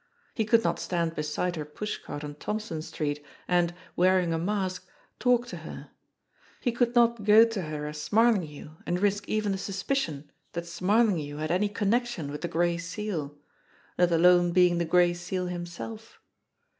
He could not stand beside her pushcart on Thompson Street, and, wearing a mask, talk to her. He could not go to her as Smarlinghue and risk even the suspicion that Smarlinghue had any connection with the Gray Seal, let alone being the Gray Seal himself